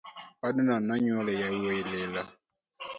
Odno onyuole yawuoi lilo